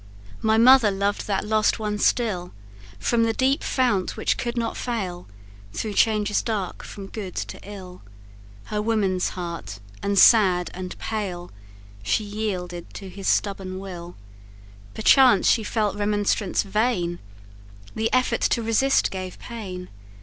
My mother loved that lost one still, From the deep fount which could not fail (Through changes dark, from good to ill,) Her woman's heart and sad and pale, She yielded to his stubborn will; Perchance she felt remonstrance vain, The effort to resist gave pain.